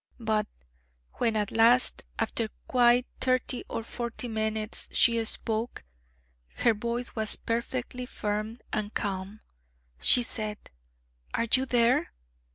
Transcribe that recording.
But when at last, after quite thirty or forty minutes she spoke, her voice was perfectly firm and calm. She said: 'Are you there?'